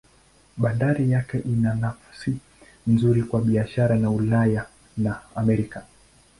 Bandari yake ina nafasi nzuri kwa biashara na Ulaya na Amerika.